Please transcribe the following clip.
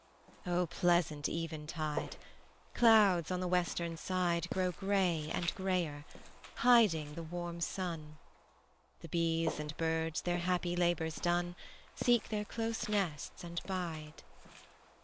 O pleasant eventide! Clouds on the western side Grow gray and grayer, hiding the warm sun: The bees and birds, their happy labors done, Seek their close nests and bide.